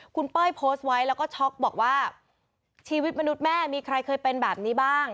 คุณเป้ยโพสต์ไว้แล้วก็ช็อกบอกว่าชีวิตมนุษย์แม่มีใครเคยเป็นแบบนี้บ้าง